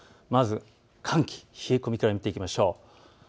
まず寒気、冷え込みから見ていきましょう。